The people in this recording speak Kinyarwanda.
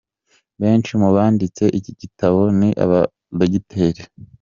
Benshi mu banditse iki gitabo ni abadogiteri.